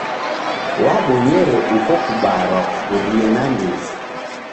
W'abonyere uko kubarwa kukurie nandighi.